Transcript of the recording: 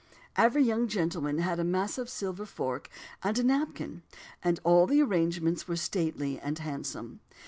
] "Every young gentleman had a massive silver fork and a napkin; and all the arrangements were stately and handsome.